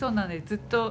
ずっと。